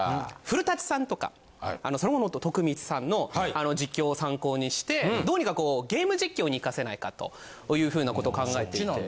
古舘さんとか徳光さんの実況を参考にしてどうにかこうゲーム実況に生かせないかというふうなこと考えていて。